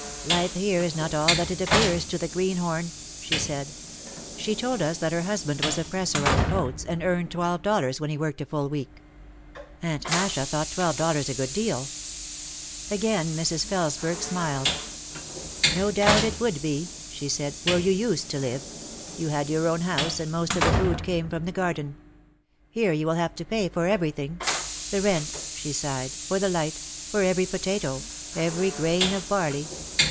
"Life here is not all that it appears to the 'green horn/ " she said. She told us that her hus band was a presser on coats and earned twelve dollars when he worked a full week. Aunt Masha thought twelve dollars a good deal. Again Mrs. Felesberg smiled. "No doubt it would be," she said, "where you used to live. You had your own house, and most of the food came from the garden. Here you will have to pay for everything; the rent!" she sighed, "for the light, for every potato, every grain of barley.